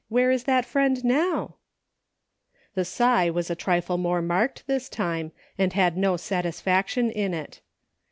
Where is that friend now ?" The sigh was a trifle more marked this time, and had no satisfaction in it.